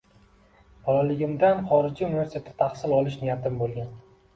Bolaligimdan xorijiy universitetda tahsil olish niyatim bo‘lgan.